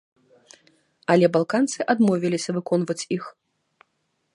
Але балканцы адмовіліся выконваць іх.